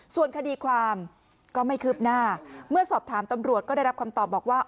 ส่วนคดีความก็ไม่คืบหน้าเมื่อสอบถามตำรวจก็ได้รับคำตอบบอกว่า